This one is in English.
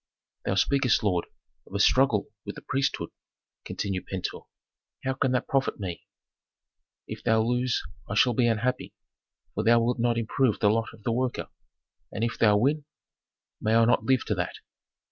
"Thou speakest, lord, of a struggle with the priesthood," continued Pentuer. "How can that profit me? If thou lose I shall be unhappy, for thou wilt not improve the lot of the worker. And if thou win? May I not live to that!